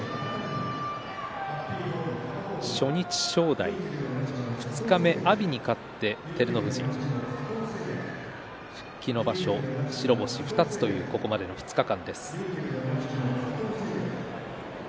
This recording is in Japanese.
初日、正代二日目、阿炎に勝って照ノ富士復帰の場所、白星２つというここまでの２日間です。